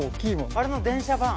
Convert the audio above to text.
あれの電車版？